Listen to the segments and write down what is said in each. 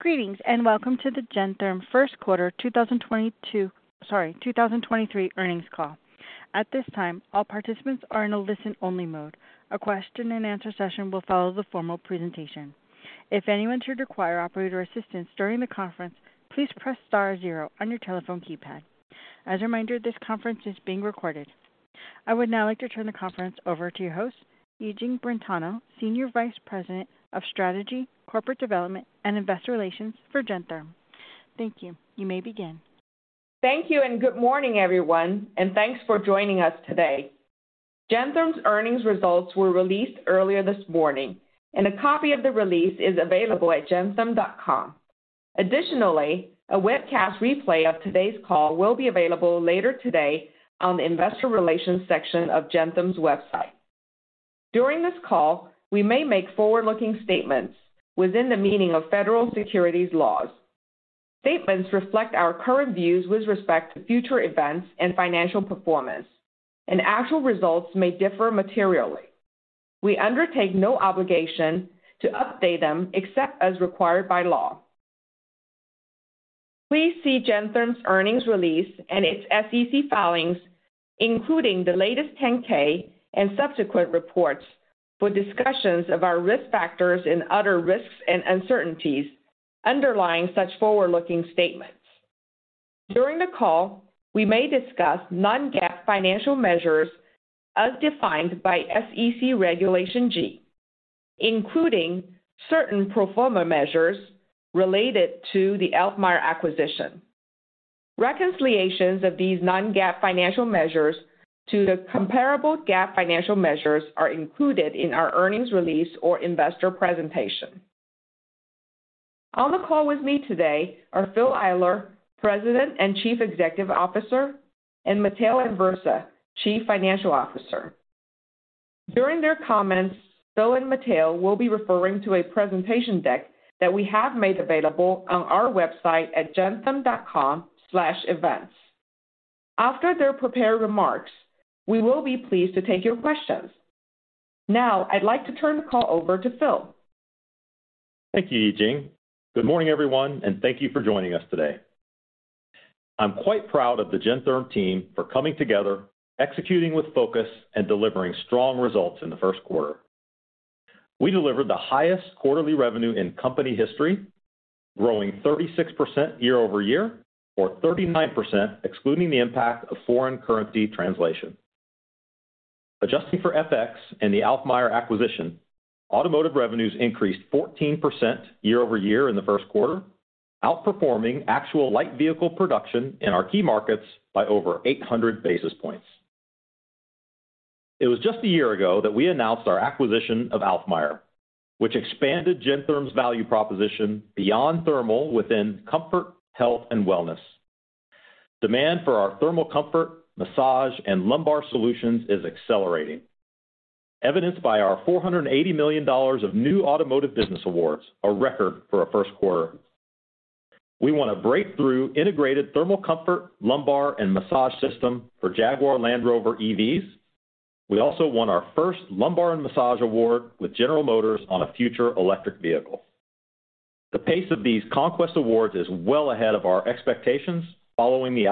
Greetings. Welcome to the Gentherm Q1 2023 Earnings Call. At this time, all participants are in a listen only mode. A question and answer session will follow the formal presentation. If anyone should require operator assistance during the conference, please press star zero on your telephone keypad. As a reminder, this conference is being recorded. I would now like to turn the conference over to your host, Yijing Brentano, Senior Vice President of Strategy, Corporate Development, and Investor Relations for Gentherm. Thank you. You may begin. Thank you. Good morning, everyone, and thanks for joining us today. Gentherm's earnings results were released earlier this morning. A copy of the release is available at gentherm.com. Additionally, a webcast replay of today's call will be available later today on the investor relations section of Gentherm's website. During this call, we may make forward-looking statements within the meaning of federal securities laws. Statements reflect our current views with respect to future events and financial performance and actual results may differ materially. We undertake no obligation to update them except as required by law. Please see Gentherm's earnings release and its SEC filings, including the latest 10-K and subsequent reports for discussions of our risk factors and other risks and uncertainties underlying such forward-looking statements. During the call, we may discuss non-GAAP financial measures as defined by SEC Regulation G, including certain pro forma measures related to the Alfmeier acquisition. Reconciliations of these non-GAAP financial measures to the comparable GAAP financial measures are included in our earnings release or investor presentation. On the call with me today are Phil Eyler, President and Chief Executive Officer, and Matteo Anversa, Chief Financial Officer. During their comments, Phil and Matteo will be referring to a presentation deck that we have made available on our website at gentherm.com/events. After their prepared remarks, we will be pleased to take your questions. I'd like to turn the call over to Phil. Thank you, Yijing. Good morning, everyone, and thank you for joining us today. I'm quite proud of the Gentherm team for coming together, executing with focus, and delivering strong results in the Q1. We delivered the highest quarterly revenue in company history, growing 36% year-over-year or 39% excluding the impact of foreign currency translation. Adjusting for FX and the Alfmeier acquisition, automotive revenues increased 14% year-over-year in the Q1, outperforming actual light vehicle production in our key markets by over 800 basis points. It was just a year ago that we announced our acquisition of Alfmeier, which expanded Gentherm's value proposition beyond thermal within comfort, health, and wellness. Demand for our thermal comfort, massage, and lumbar solutions is accelerating, evidenced by our $480 million of new automotive business awards, a record for a Q1. We won a breakthrough integrated thermal comfort, lumbar and massage system for Jaguar Land Rover EVs. We also won our first lumbar and massage award with General Motors on a future electric vehicle. The pace of these conquest awards is well ahead of our expectations following the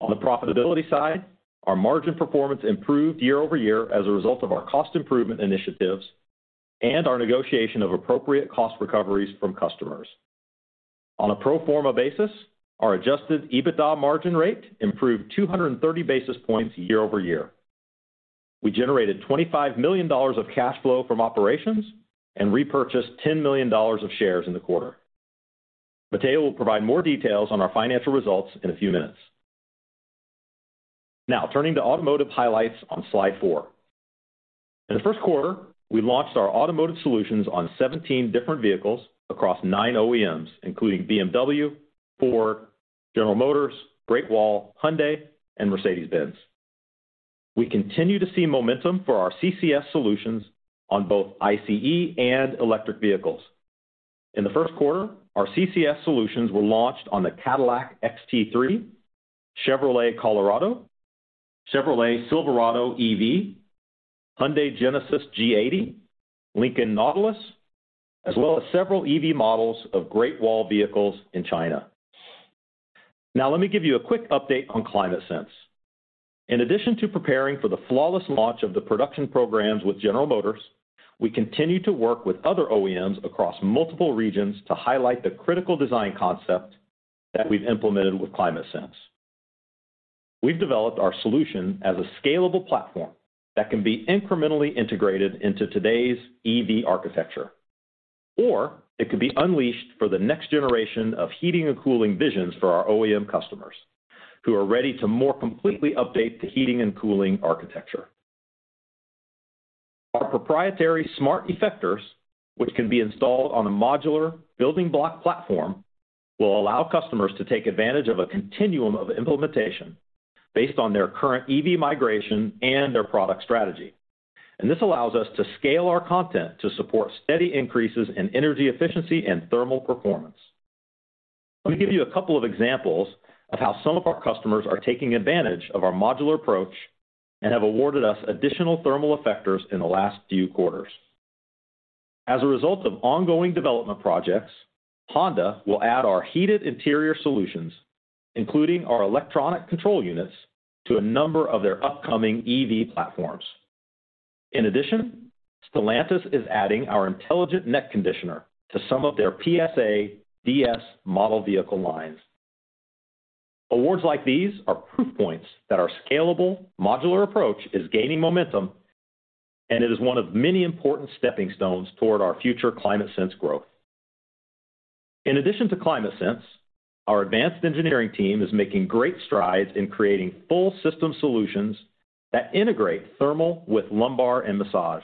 Alfmeier acquisition. On the profitability side, our margin performance improved year-over-year as a result of our cost improvement initiatives and our negotiation of appropriate cost recoveries from customers. On a pro forma basis, our adjusted EBITDA margin rate improved 230 basis points year-over-year. We generated $25 million of cash flow from operations and repurchased $10 million of shares in the quarter. Matteo will provide more details on our financial results in a few minutes. Now turning to automotive highlights on slide four. In the Q1, we launched our automotive solutions on 17 different vehicles across nine OEMs, including BMW, Ford, General Motors, Great Wall, Hyundai, and Mercedes-Benz. We continue to see momentum for our CCS solutions on both ICE and electric vehicles. In the Q1, our CCS solutions were launched on the Cadillac XT3, Chevrolet Colorado, Chevrolet Silverado EV, Genesis G80, Lincoln Nautilus, as well as several EV models of Great Wall vehicles in China. Let me give you a quick update on ClimateSense. In addition to preparing for the flawless launch of the production programs with General Motors, we continue to work with other OEMs across multiple regions to highlight the critical design concept that we've implemented with ClimateSense. We've developed our solution as a scalable platform that can be incrementally integrated into today's EV architecture, or it could be unleashed for the next generation of heating and cooling visions for our OEM customers who are ready to more completely update the heating and cooling architecture. Our proprietary smart effectors, which can be installed on a modular building block platform, will allow customers to take advantage of a continuum of implementation based on their current EV migration and their product strategy. This allows us to scale our content to support steady increases in energy efficiency and thermal performance. Let me give you a couple of examples of how some of our customers are taking advantage of our modular approach and have awarded us additional thermal effectors in the last few quarters. As a result of ongoing development projects, Honda will add our heated interior solutions, including our electronic control units, to a number of their upcoming EV platforms. In addition, Stellantis is adding our intelligent neck conditioner to some of their PSA DS model vehicle lines. Awards like these are proof points that our scalable modular approach is gaining momentum, and it is one of many important stepping stones toward our future ClimateSense growth. In addition to ClimateSense, our advanced engineering team is making great strides in creating full system solutions that integrate thermal with lumbar and massage.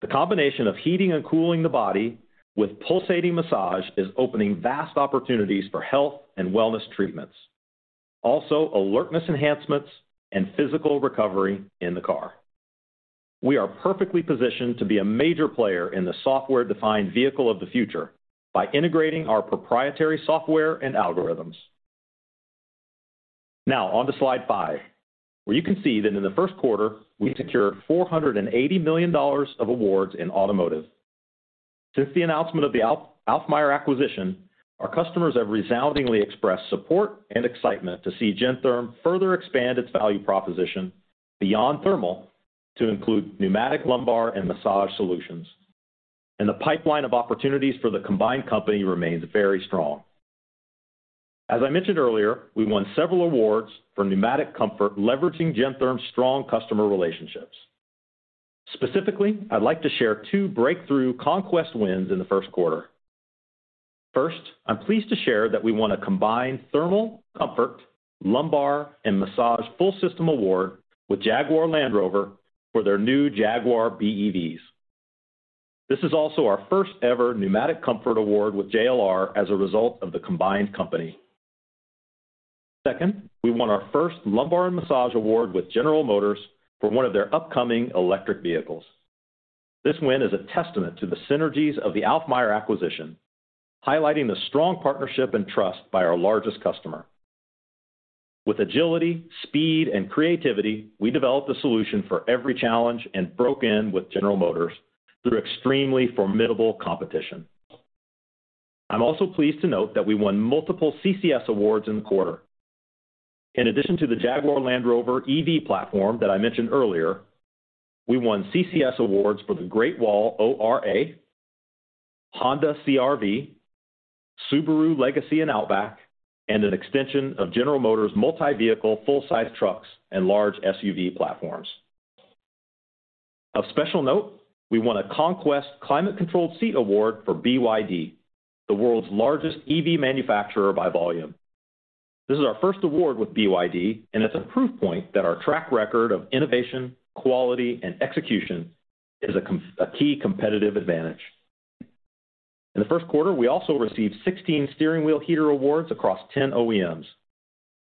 The combination of heating and cooling the body with pulsating massage is opening vast opportunities for health and wellness treatments, also alertness enhancements and physical recovery in the car. We are perfectly positioned to be a major player in the software-defined vehicle of the future by integrating our proprietary software and algorithms. Now on to slide 5, where you can see that in the Q1, we secured $480 million of awards in automotive. Since the announcement of the Alfmeier acquisition, our customers have resoundingly expressed support and excitement to see Gentherm further expand its value proposition beyond thermal to include pneumatic, lumbar and massage solutions. The pipeline of opportunities for the combined company remains very strong. As I mentioned earlier, we won several awards for pneumatic comfort, leveraging Gentherm's strong customer relationships. Specifically, I'd like to share two breakthrough conquest wins in the Q1. First, I'm pleased to share that we won a combined thermal comfort, lumbar and massage full system award with Jaguar Land Rover for their new Jaguar BEVs. This is also our first-ever pneumatic comfort award with JLR as a result of the combined company. Second, we won our 1st lumbar massage award with General Motors for one of their upcoming electric vehicles. This win is a testament to the synergies of the Alfmeier acquisition, highlighting the strong partnership and trust by our largest customer. With agility, speed and creativity, we developed a solution for every challenge and broke in with General Motors through extremely formidable competition. I'm also pleased to note that we won multiple CCS awards in the quarter. In addition to the Jaguar Land Rover EV platform that I mentioned earlier, we won CCS awards for the Great Wall ORA, Honda CR-V, Subaru Legacy and Outback, and an extension of General Motors multi-vehicle full-size trucks and large SUV platforms. Of special note, we won a Conquest Climate Controlled Seat Award for BYD, the world's largest EV manufacturer by volume. This is our first award with BYD, it's a proof point that our track record of innovation, quality and execution is a key competitive advantage. In the Q1, we also received 16 steering wheel heater awards across 10 OEMs.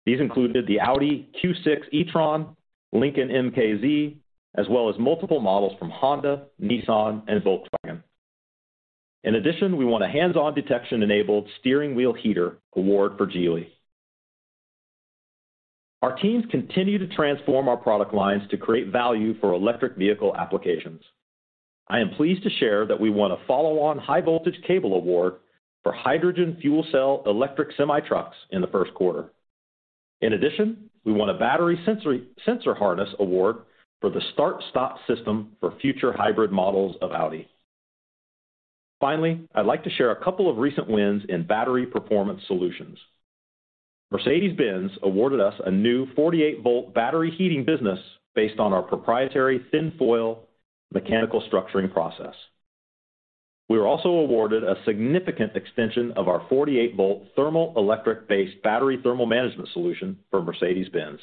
These included the Audi Q6 e-tron, Lincoln MKZ, as well as multiple models from Honda, Nissan and Volkswagen. We won a Hands-On Detection-enabled steering wheel heater award for Geely. Our teams continue to transform our product lines to create value for electric vehicle applications. I am pleased to share that we won a follow-on high voltage cable award for hydrogen fuel cell electric semi-trucks in the Q1. We won a battery sensor harness award for the start-stop system for future hybrid models of Audi. I'd like to share a couple of recent wins in battery performance solutions. Mercedes-Benz awarded us a new 48 volt battery heating business based on our proprietary thin foil Mechanical Structuring Process. We were also awarded a significant extension of our 48 volt thermoelectric-based battery thermal management solution for Mercedes-Benz.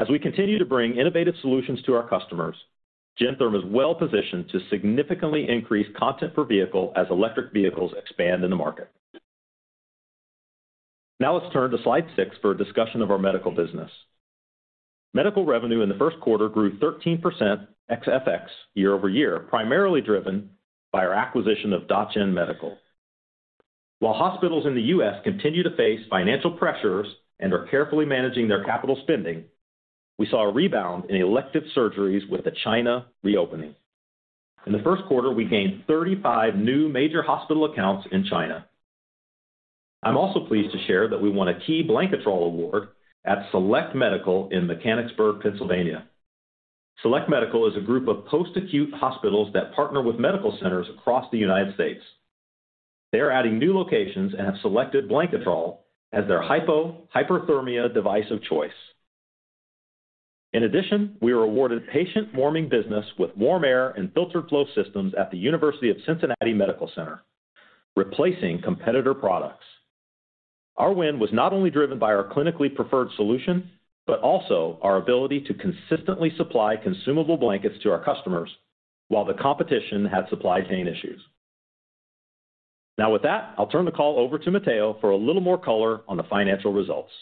As we continue to bring innovative solutions to our customers, Gentherm is well positioned to significantly increase content per vehicle as electric vehicles expand in the market. Let's turn to slide 6 for a discussion of our medical business. Medical revenue in the Q1 grew 13% ex FX year-over-year, primarily driven by our acquisition of Dacheng Medical. While hospitals in the U.S. continue to face financial pressures and are carefully managing their capital spending, we saw a rebound in elective surgeries with the China reopening. In the Q1, we gained 35 new major hospital accounts in China. I'm also pleased to share that we won a key Blanketrol award at Select Medical in Mechanicsburg, Pennsylvania. Select Medical is a group of post-acute hospitals that partner with medical centers across the United States. They are adding new locations and have selected Blanketrol as their hypo-hyperthermia device of choice. In addition, we were awarded patient warming business with WarmAir and FilteredFlo systems at the University of Cincinnati Medical Center, replacing competitor products. Our win was not only driven by our clinically preferred solution, but also our ability to consistently supply consumable blankets to our customers while the competition had supply chain issues. Now with that, I'll turn the call over to Matteo for a little more color on the financial results.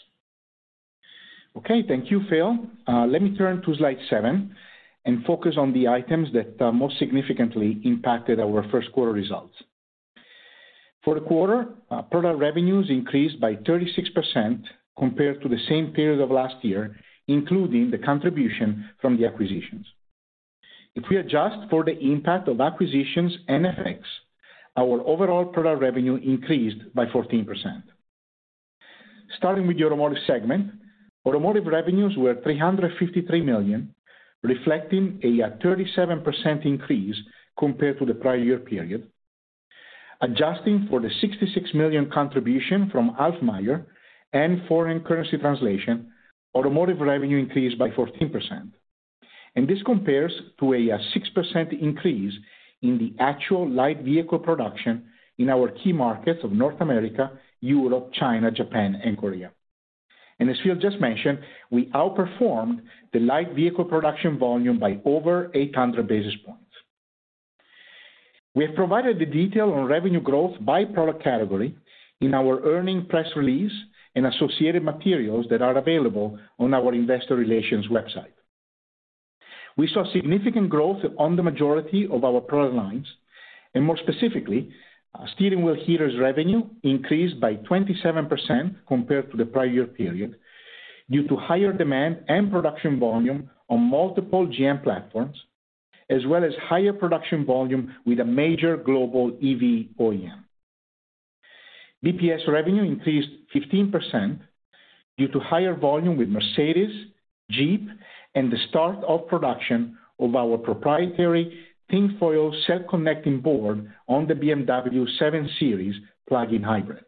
Okay. Thank you, Phil. Let me turn to slide 7 and focus on the items that most significantly impacted our Q1 results. For the quarter, product revenues increased by 36% compared to the same period of last year, including the contribution from the acquisitions. If we adjust for the impact of acquisitions and effects, our overall product revenue increased by 14%. Starting with the automotive segment, automotive revenues were $353 million, reflecting a 37% increase compared to the prior year period. Adjusting for the $66 million contribution from Alfmeier and foreign currency translation, automotive revenue increased by 14%. This compares to a 6% increase in the actual light vehicle production in our key markets of North America, Europe, China, Japan and Korea. As Phil just mentioned, we outperformed the light vehicle production volume by over 800 basis points. We have provided the detail on revenue growth by product category in our earnings press release and associated materials that are available on our investor relations website. We saw significant growth on the majority of our product lines, and more specifically, steering wheel heaters revenue increased by 27% compared to the prior year period due to higher demand and production volume on multiple GM platforms, as well as higher production volume with a major global EV OEM. BPS revenue increased 15% due to higher volume with Mercedes-Benz, Jeep, and the start of production of our proprietary thin foil cell connecting board on the BMW 7 Series plug-in hybrid.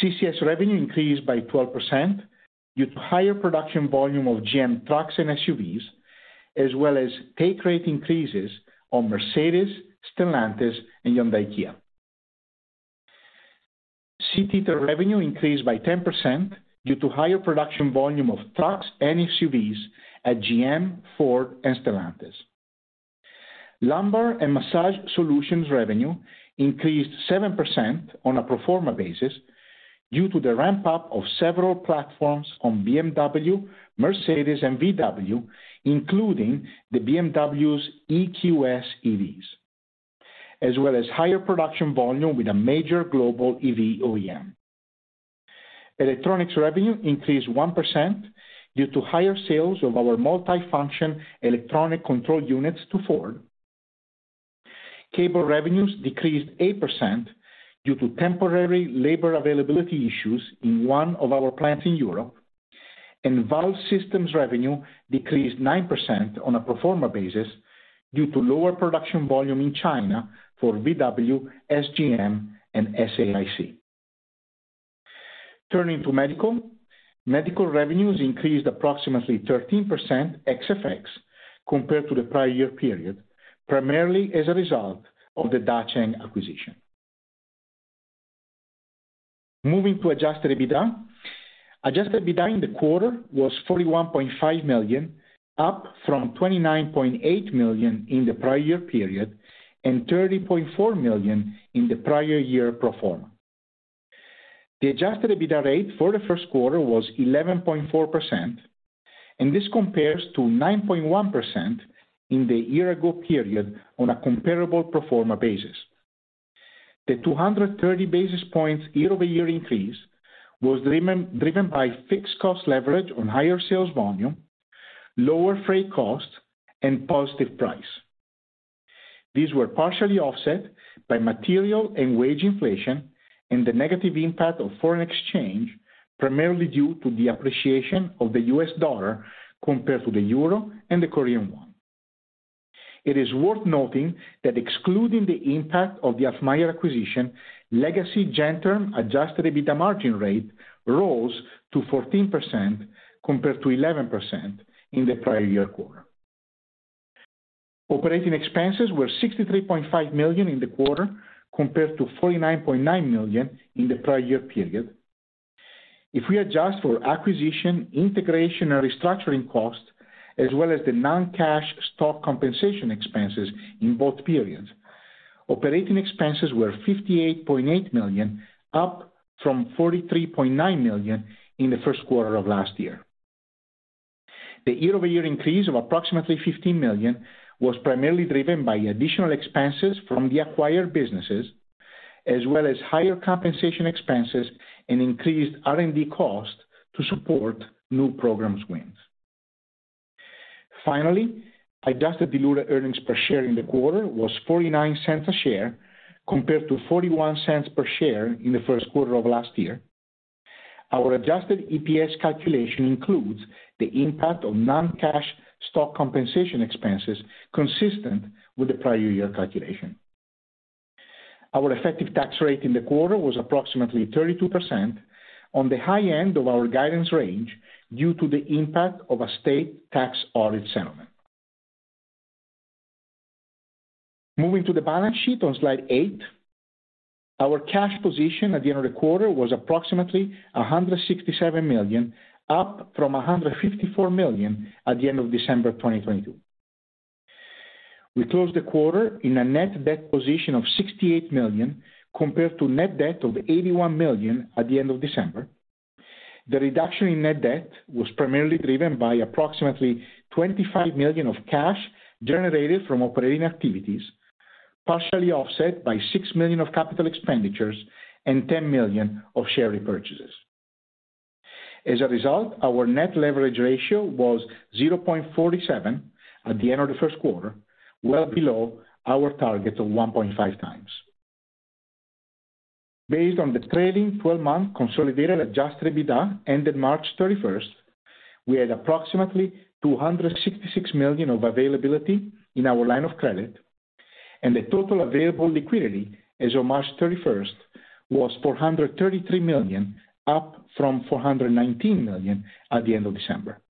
CCS revenue increased by 12% due to higher production volume of GM trucks and SUVs, as well as take rate increases on Mercedes, Stellantis and Hyundai Kia. Seat heater revenue increased by 10% due to higher production volume of trucks and SUVs at GM, Ford and Stellantis. Lumbar and massage solutions revenue increased 7% on a pro forma basis due to the ramp up of several platforms on BMW, Mercedes and VW, including the Mercedes-Benz EQS EVs, as well as higher production volume with a major global EV OEM. Electronics revenue increased 1% due to higher sales of our multifunction electronic control units to Ford. Cable revenues decreased 8% due to temporary labor availability issues in one of our plants in Europe. Valve systems revenue decreased 9% on a pro forma basis due to lower production volume in China for VW, SGM and SAIC. Turning to medical. Medical revenues increased approximately 13% ex FX compared to the prior year period, primarily as a result of the Dacheng acquisition. Moving to adjusted EBITDA. Adjusted EBITDA in the quarter was $41.5 million, up from $29.8 million in the prior year period and $30.4 million in the prior year pro forma. The adjusted EBITDA rate for the Q1 was 11.4%, and this compares to 9.1% in the year-ago period on a comparable pro forma basis. The 230 basis points year-over-year increase was driven by fixed cost leverage on higher sales volume, lower freight costs and positive price. These were partially offset by material and wage inflation and the negative impact of foreign exchange, primarily due to the appreciation of the US dollar compared to the euro and the Korean won. It is worth noting that excluding the impact of the Alfmeier acquisition, legacy Gentherm adjusted EBITDA margin rate rose to 14% compared to 11% in the prior year quarter. Operating expenses were $63.5 million in the quarter compared to $49.9 million in the prior year period. If we adjust for acquisition, integration and restructuring costs, as well as the non-cash stock compensation expenses in both periods, operating expenses were $58.8 million, up from $43.9 million in the Q1 of last year. The year-over-year increase of approximately $15 million was primarily driven by additional expenses from the acquired businesses, as well as higher compensation expenses and increased R&D costs to support new programs wins. Adjusted diluted earnings per share in the quarter was $0.49 a share compared to $0.41 per share in the Q1 of last year. Our adjusted EPS calculation includes the impact of non-cash stock compensation expenses consistent with the prior year calculation. Our effective tax rate in the quarter was approximately 32% on the high end of our guidance range due to the impact of a state tax audit settlement. Moving to the balance sheet on slide 8. Our cash position at the end of the quarter was approximately $167 million, up from $154 million at the end of December 2022. We closed the quarter in a net debt position of $68 million compared to net debt of $81 million at the end of December. The reduction in net debt was primarily driven by approximately $25 million of cash generated from operating activities, partially offset by $6 million of capital expenditures and $10 million of share repurchases. As a result, our net leverage ratio was 0.47 at the end of the Q1, well below our target of 1.5 times. Based on the trailing twelve-month consolidated adjusted EBITDA ended March 31st, we had approximately $266 million of availability in our line of credit, and the total available liquidity as of March 31st was $433 million, up from $419 million at the end of December.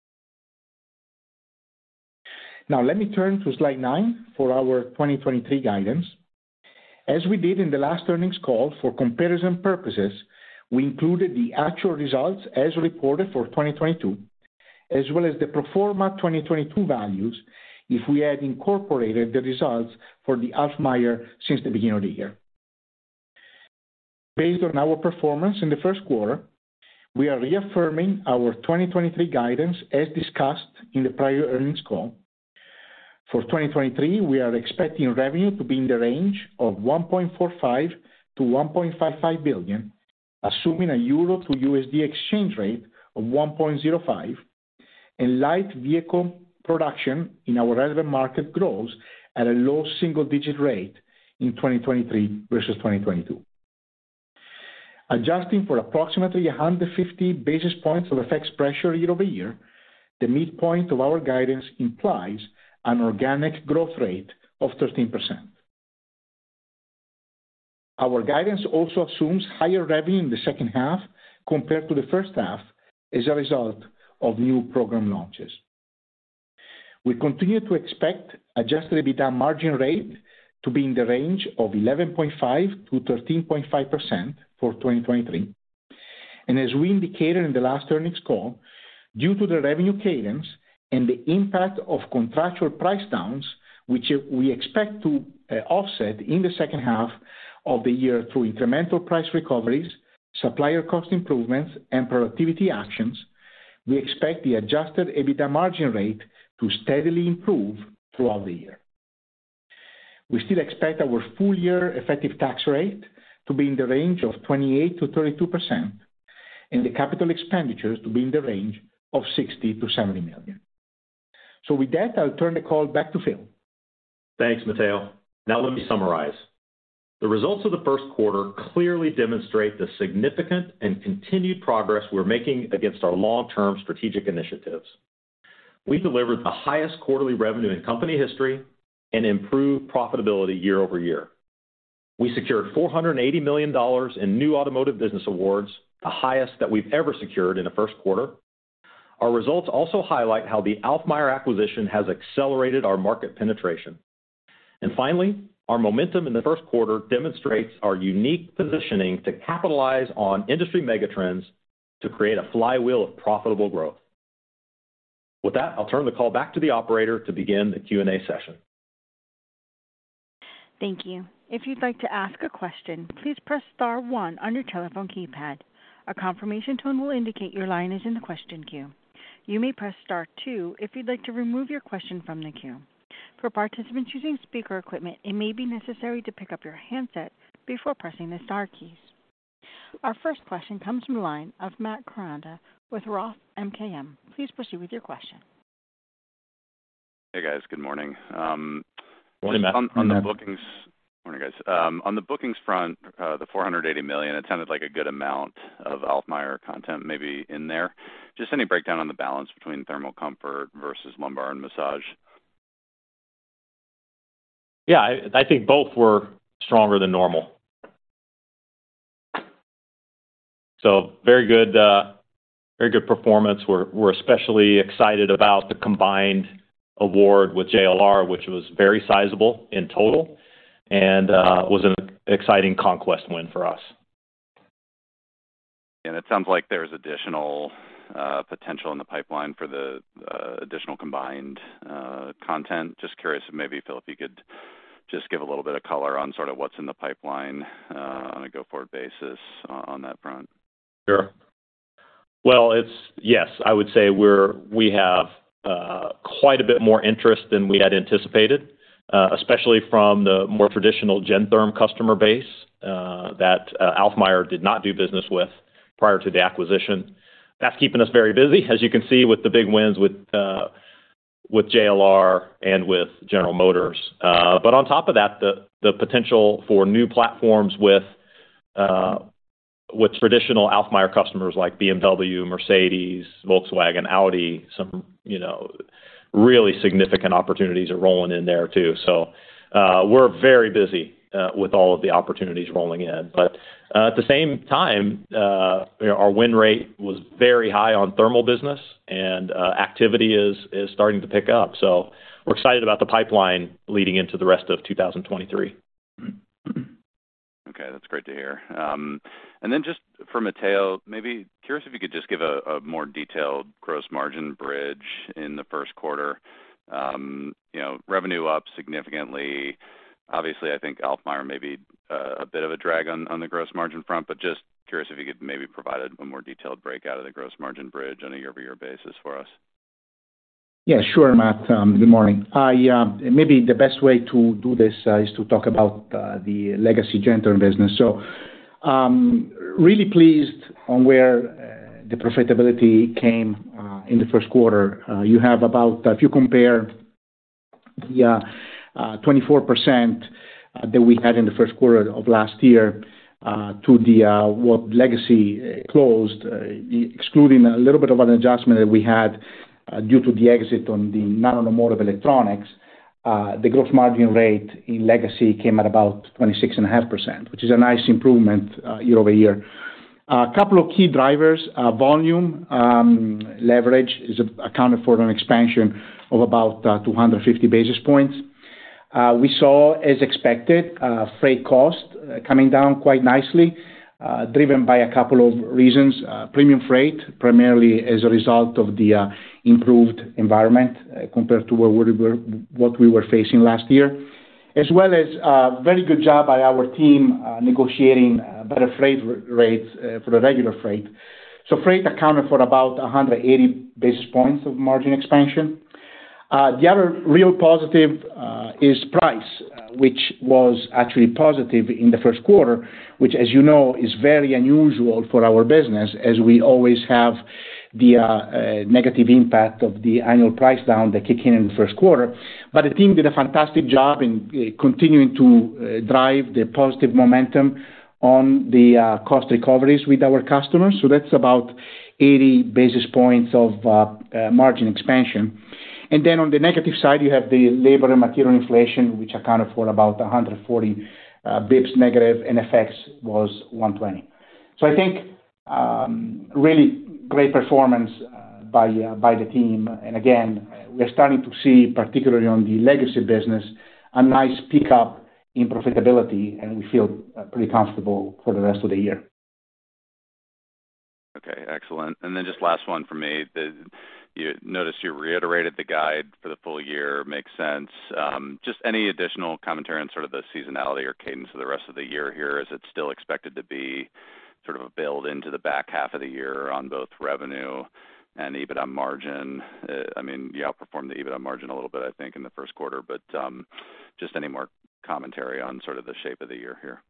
Let me turn to slide 9 for our 2023 guidance. As we did in the last earnings call for comparison purposes, we included the actual results as reported for 2022, as well as the pro forma 2022 values if we had incorporated the results for the Alfmeier since the beginning of the year. Based on our performance in the Q1, we are reaffirming our 2023 guidance as discussed in the prior earnings call. For 2023, we are expecting revenue to be in the range of $1.45-$1.55 billion, assuming a EUR to USD exchange rate of 1.05 and light vehicle production in our relevant market grows at a low single-digit rate in 2023 versus 2022. Adjusting for approximately 150 basis points of FX pressure year-over-year, the midpoint of our guidance implies an organic growth rate of 13%. Our guidance also assumes higher revenue in the second half compared to the first half as a result of new program launches. We continue to expect adjusted EBITDA margin rate to be in the range of 11.5%-13.5% for 2023. As we indicated in the last earnings call, due to the revenue cadence and the impact of contractual price downs, which we expect to offset in the second half of the year through incremental price recoveries, supplier cost improvements, and productivity actions, we expect the adjusted EBITDA margin rate to steadily improve throughout the year. We still expect our full year effective tax rate to be in the range of 28%-32%, and the capital expenditures to be in the range of $60-$70 million. With that, I'll turn the call back to Phil. Thanks, Matteo. Let me summarize. The results of the Q1 clearly demonstrate the significant and continued progress we're making against our long-term strategic initiatives. We delivered the highest quarterly revenue in company history and improved profitability year-over-year. We secured $480 million in new automotive business awards, the highest that we've ever secured in a Q1. Our results also highlight how the Alfmeier acquisition has accelerated our market penetration. Finally, our momentum in the Q1 demonstrates our unique positioning to capitalize on industry mega trends to create a flywheel of profitable growth. With that, I'll turn the call back to the operator to begin the Q&A session. Thank you. If you'd like to ask a question, please press star one on your telephone keypad. A confirmation tone will indicate your line is in the question queue. You may press star two if you'd like to remove your question from the queue. For participants using speaker equipment, it may be necessary to pick up your handset before pressing the star keys. Our first question comes from the line of Matt Koranda with Roth MKM. Please proceed with your question. Hey, guys. Good morning. Morning, Matt. Morning, Matt. Just on the bookings. Morning, guys. On the bookings front, the $480 million, it sounded like a good amount of Alfmeier content maybe in there. Just any breakdown on the balance between thermal comfort versus lumbar and massage? I think both were stronger than normal. very good, very good performance. We're especially excited about the combined award with JLR, which was very sizable in total and was an exciting conquest win for us. It sounds like there's additional potential in the pipeline for the additional combined content. Just curious if maybe, Phil, if you could just give a little bit of color on sort of what's in the pipeline on a go-forward basis on that front? Sure. Well, it's. Yes. I would say we have quite a bit more interest than we had anticipated, especially from the more traditional Gentherm customer base that Alfmeier did not do business with prior to the acquisition. That's keeping us very busy, as you can see with the big wins with JLR and with General Motors. But on top of that, the potential for new platforms with traditional Alfmeier customers like BMW, Mercedes, Volkswagen, Audi, some, you know, really significant opportunities are rolling in there too. We're very busy with all of the opportunities rolling in. At the same time, you know, our win rate was very high on thermal business and activity is starting to pick up. We're excited about the pipeline leading into the rest of 2023. Okay, that's great to hear. Just for Matteo, maybe curious if you could just give a more detailed gross margin bridge in the Q1. You know, revenue up significantly. Obviously, I think Alfmeier may be a bit of a drag on the gross margin front, just curious if you could maybe provide a more detailed breakout of the gross margin bridge on a year-over-year basis for us. Yeah, sure, Matt. Good morning. I, maybe the best way to do this, is to talk about the legacy Gentherm business. Really pleased on where the profitability came in the Q1. You have If you compare the 24% that we had in the Q1 of last year, to what legacy closed, excluding a little bit of an adjustment that we had, due to the exit on the automotive electronics, the gross margin rate in legacy came at about 26.5%, which is a nice improvement year-over-year. A couple of key drivers, volume, leverage is accounted for an expansion of about 250 basis points. We saw, as expected, freight costs coming down quite nicely, driven by a couple of reasons, premium freight, primarily as a result of the improved environment, compared to what we were facing last year, as well as a very good job by our team negotiating better freight rates for the regular freight. Freight accounted for about 180 basis points of margin expansion. The other real positive is price, which was actually positive in the Q1, which, as you know, is very unusual for our business as we always have the negative impact of the annual price down that kick in in the Q1. The team did a fantastic job in continuing to drive the positive momentum on the cost recoveries with our customers. That's about 80 basis points of margin expansion. On the negative side, you have the labor and material inflation, which accounted for about 140 basis points negative, and effects was 120. I think really great performance by the team. We're starting to see, particularly on the legacy business, a nice pickup in profitability and we feel pretty comfortable for the rest of the year. Okay, excellent. Just last one for me. I noticed you reiterated the guide for the full year. Makes sense. Just any additional commentary on sort of the seasonality or cadence of the rest of the year here as it's still expected to be sort of a build into the back half of the year on both revenue and EBITDA margin. I mean, you outperformed the EBITDA margin a little bit, I think, in the Q1, but just any more commentary on sort of the shape of the year here.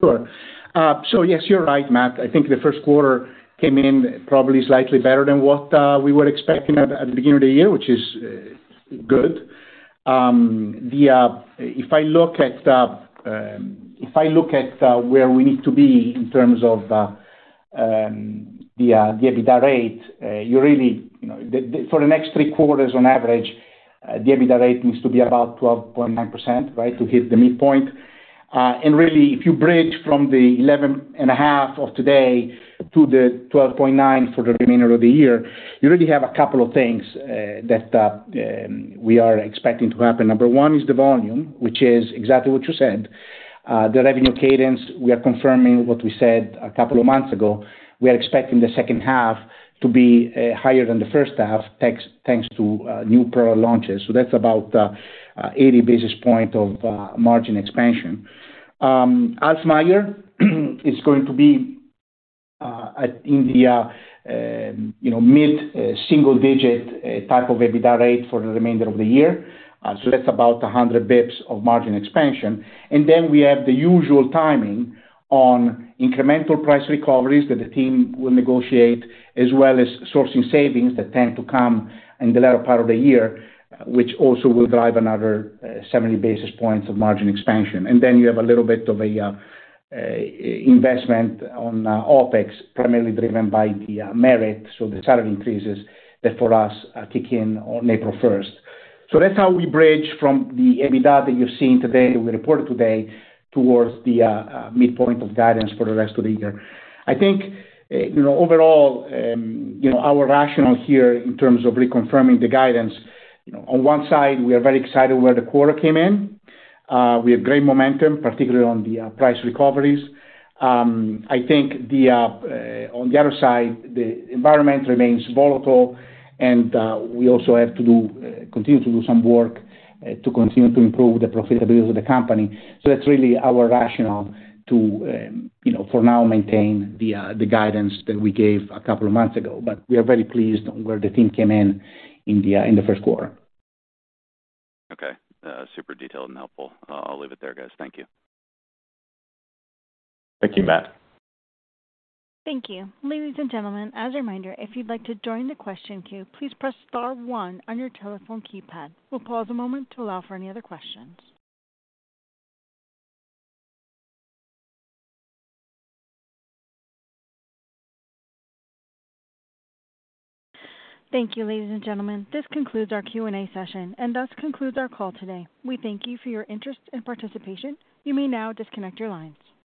Sure. Yes, you're right, Matt. I think the Q1 came in probably slightly better than what we were expecting at the beginning of the year, which is good. If I look at where we need to be in terms of the EBITDA rate, you really, you know, for the next three quarters on average, the EBITDA rate needs to be about 12.9%, right? To hit the midpoint. Really, if you bridge from the 11.5% of today to the 12.9% for the remainder of the year, you really have a couple of things that we are expecting to happen. Number one is the volume, which is exactly what you said. The revenue cadence, we are confirming what we said a couple of months ago. We are expecting the second half to be higher than the first half, thanks to new product launches. That's about 80 basis point of margin expansion. Alfmeier is going to be in the, you know, mid-single digit type of EBITDA rate for the remainder of the year. That's about 100 basis points of margin expansion. We have the usual timing on incremental price recoveries that the team will negotiate, as well as sourcing savings that tend to come in the latter part of the year, which also will drive another 70 basis points of margin expansion. You have a little bit of an investment on OpEx, primarily driven by the merit, so the salary increases that for us kick in on April first. That's how we bridge from the EBITDA that you're seeing today, that we reported today, towards the midpoint of guidance for the rest of the year. I think, you know, overall, you know, our rationale here in terms of reconfirming the guidance, you know, on one side, we are very excited where the quarter came in. We have great momentum, particularly on the price recoveries. I think the on the other side, the environment remains volatile and we also have to continue to do some work to continue to improve the profitability of the company. That's really our rationale to, you know, for now, maintain the guidance that we gave 2 months ago. We are very pleased on where the team came in in the 1st quarter. Okay, super detailed and helpful. I'll leave it there, guys. Thank you. Thank you, Matt. Thank you. Ladies and gentlemen, as a reminder, if you'd like to join the question queue, please press star one on your telephone keypad. We'll pause a moment to allow for any other questions. Thank you. Ladies and gentlemen, this concludes our Q&A session and thus concludes our call today. We thank you for your interest and participation. You may now disconnect your lines.